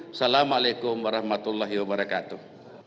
assalamu'alaikum warahmatullahi wabarakatuh